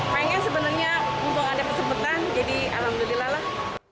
kayaknya sebenarnya untuk ada kesempatan jadi alhamdulillah lah